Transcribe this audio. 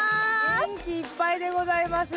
元気いっぱいでございます。